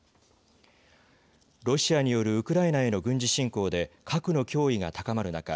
ロシアによるウクライナへの軍事侵攻で核の脅威が高まる中